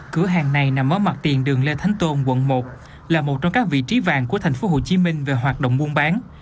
cửa hàng này nằm ở mặt tiền đường lê thánh tôn quận một là một trong các vị trí vàng của thành phố hồ chí minh về hoạt động buôn bán